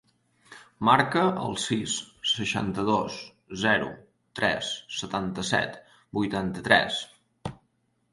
Marca el sis, seixanta-dos, zero, tres, setanta-set, vuitanta-tres.